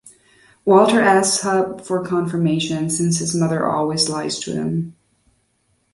Walter asks Hub for confirmation, since his mother always lies to him.